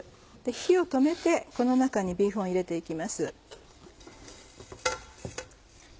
火を止めてこの中にビーフンを入れて行きます。